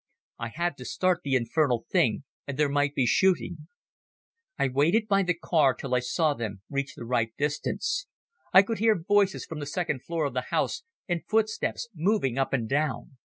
I had to start the infernal thing, and there might be shooting. I waited by the car till I saw them reach the right distance. I could hear voices from the second floor of the house and footsteps moving up and down.